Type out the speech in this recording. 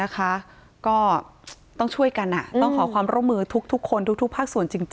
ก็ต้องช่วยกันต้องขอความร่วมมือทุกคนทุกภาคส่วนจริง